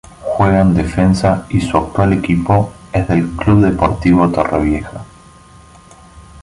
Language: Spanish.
Juega de defensa y su actual equipo es el Club Deportivo Torrevieja.